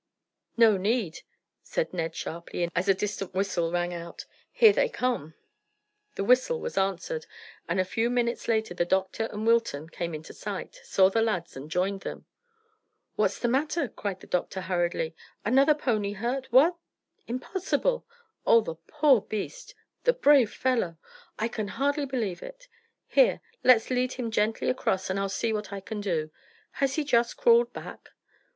"No need," said Ned sharply, as a distant whistle rang out; "here they come." The whistle was answered, and a few minutes later the doctor and Wilton came into sight, saw the lads, and joined them. "What's the matter?" cried the doctor hurriedly. "Another pony hurt? What! Impossible! Oh, the poor beast! The brave fellow! I can hardly believe it. Here, let's lead him gently across, and I'll see what I can do. Has he just crawled back?"